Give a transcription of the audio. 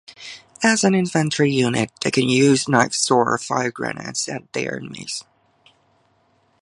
As an infantry unit, they can use knives or fire grenades at their enemies.